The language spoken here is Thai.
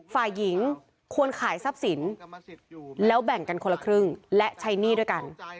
ฝ่ายหญิงควรขายทรัพย์สินแล้วแบ่งกันคนละครึ่งและใช้หนี้ด้วยกัน